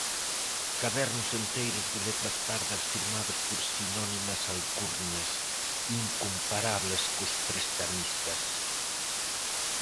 Cadernos enteiros de letras pardas firmados por sinónimas alcurnias, incomparables cos prestamistas.